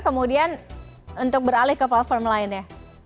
kemudian untuk beralih ke platform lainnya